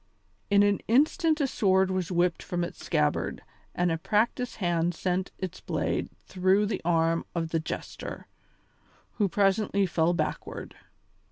In an instant a sword was whipped from its scabbard and a practised hand sent its blade through the arm of the jester, who presently fell backward.